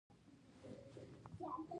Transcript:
زه غواړم چې د انجینرۍ په برخه کې زده کړه وکړم